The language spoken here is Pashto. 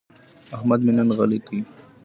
احمد مې نن غلی کړ.